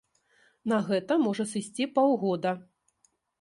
На гэта можа сысці паўгода.